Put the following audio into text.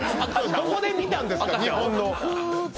どこで見たんですか、日本の？